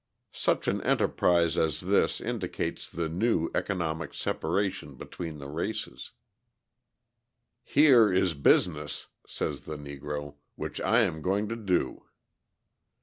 Such an enterprise as this indicates the new, economic separation between the races. "Here is business," says the Negro, "which I am going to do."